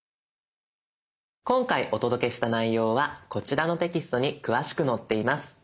今回お届けした内容はこちらのテキストに詳しく載っています。